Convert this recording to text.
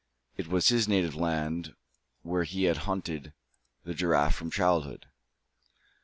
It was his native land, where he had hunted the giraffe from childhood.